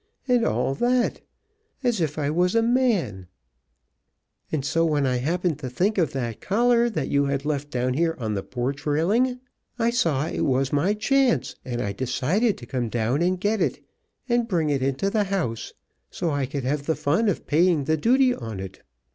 and all that, as if I was a man, and so, when I happened to think of that collar that you had left down here on the porch railing, I saw it was my chance, and I decided to come down and get it and bring it into the house, so I could have the fun of paying the duty on it.